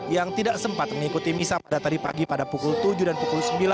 yang tidak sempat mengikuti misa pada tadi pagi pada pukul tujuh dan pukul sembilan